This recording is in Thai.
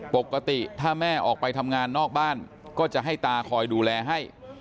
ปกติถ้าแม่ออกไปทำงานนอกบ้านก็จะให้ตาคอยดูแลให้